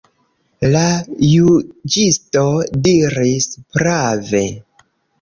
La juĝisto diris prave.